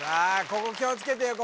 ここ気をつけてよ